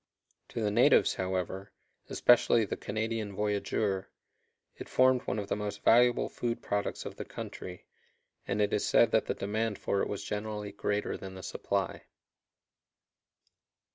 To the natives, however, especially the Canadian voyageur, it formed one of the most valuable food products of the country, and it is said that the demand for it was generally greater than the supply.